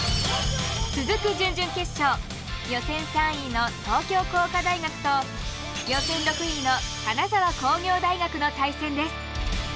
予選３位の東京工科大学と予選６位の金沢工業大学の対戦です。